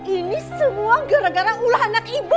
ini semua gara gara ulah anak ibu